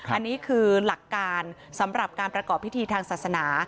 อันนี้คือหลักการสำหรับการประกอบพิธีทางศาสนา